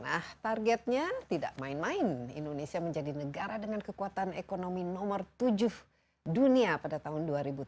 nah targetnya tidak main main indonesia menjadi negara dengan kekuatan ekonomi nomor tujuh dunia pada tahun dua ribu tujuh belas